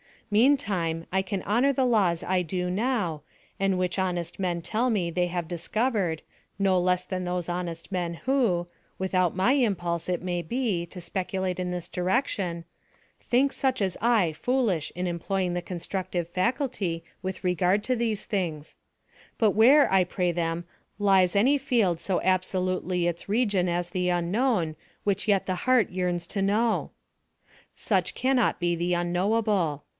Meantime I can honour the laws I do know, and which honest men tell me they have discovered, no less than those honest men who without my impulse, it may be, to speculate in this direction think such as I foolish in employing the constructive faculty with regard to these things. But where, I pray them, lies any field so absolutely its region as the unknown which yet the heart yearns to know? Such cannot be the unknowable.